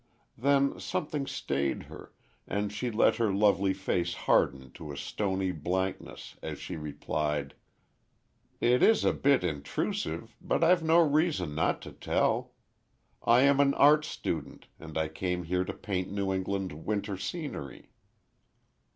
Then, something stayed her, and she let her lovely face harden to a stony blankness, as she replied, "It is a bit intrusive, but I've no reason not to tell. I am an art student, and I came here to paint New England winter scenery."